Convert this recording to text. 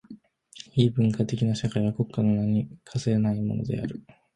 非文化的な社会は国家の名に価せないものである。